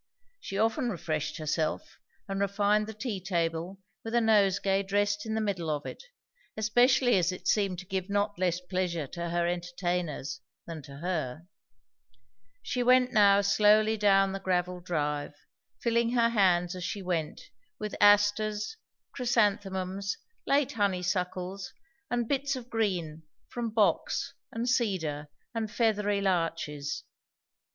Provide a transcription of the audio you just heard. She often refreshed herself and refined the tea table with a nosegay dressed in the middle of it, especially as it seemed to give not less pleasure to her entertainers than to her. She went now slowly down the gravelled drive, filling her hands as she went with asters, chrysanthemums, late honeysuckles, and bits of green from box and cedar and feathery larches.